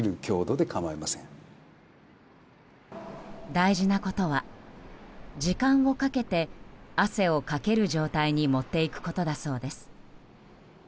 大事なことは時間をかけて汗をかける状態に持っていくことだそうです。